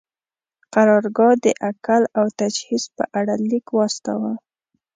قرارګاه د اکل او تجهیز په اړه لیک واستاوه.